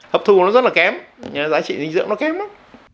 hấp thu nó rất là kém giá trị dinh dưỡng nó kém lắm